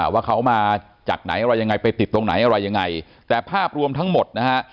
ว่าเขามาจากไหนอะไรยังไงไปติดตรงไหนอะไรยังไงแต่ภาพรวมทั้งหมดนะฮะ